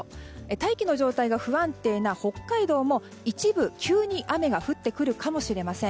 大気の状態が不安定な北海道も一部、急に雨が降ってくるかもしれません。